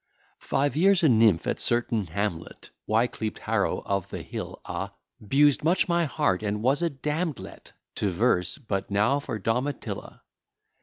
Five years a nymph at certain hamlet, Y cleped Harrow of the Hill, a bused much my heart, and was a damn'd let To verse but now for Domitilla.